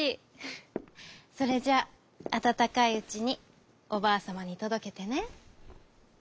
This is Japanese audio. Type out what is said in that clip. それじゃああたたかいうちにおばあさまにとどけてね」。